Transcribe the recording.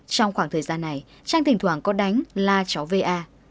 trong khoảng thời gian này trang thỉnh thoảng có đánh là cháu va